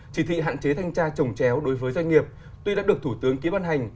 chỉ thị hạn chế thanh tra trồng chéo đối với doanh nghiệp tuy đã được thủ tướng ký ban hành